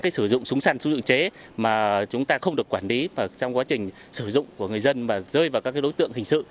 sử dụng súng săn súng tự chế mà chúng ta không được quản lý và trong quá trình sử dụng của người dân và rơi vào các đối tượng hình sự